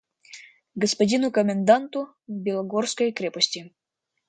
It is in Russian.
«Господину коменданту Белогорской крепости